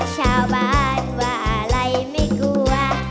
ชาวบ้านว่าอะไรไม่กลัว